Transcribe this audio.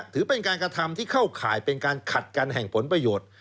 ถือเป็นการกระทำที่เข้าข่ายเป็นการขัดกันแห่งผลประโยชน์